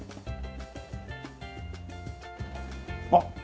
あっ。